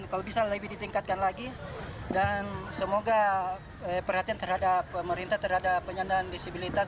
kalau bisa lebih ditingkatkan lagi dan semoga perhatian terhadap pemerintah terhadap penyandang disabilitas